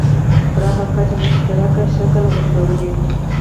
پراخه کچه مشترک شکل غورځولی.